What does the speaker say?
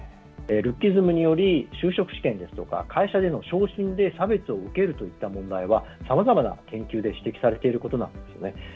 ルッキズムにより就職試験ですとか会社での昇進で差別を受けるといった問題はさまざまな研究で指摘されていることなんですね。